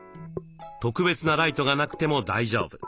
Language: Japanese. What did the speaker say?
特別なライトがなくても大丈夫。